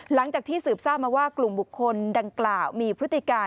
หลังจากที่สืบทราบมาว่ากลุ่มบุคคลดังกล่าวมีพฤติการ